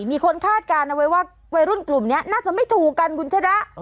คาดการณ์เอาไว้ว่าวัยรุ่นกลุ่มนี้น่าจะไม่ถูกกันคุณชนะ